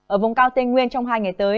ở vùng cao tây nguyên trong hai ngày tới